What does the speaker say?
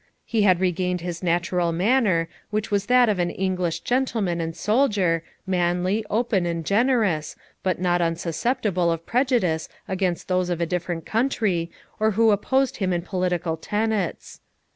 He had regained his natural manner, which was that of an English gentleman and soldier, manly, open and generous, but not unsusceptible of prejudice against those of a different country, or who opposed him in political tenets.